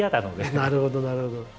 なるほどなるほど。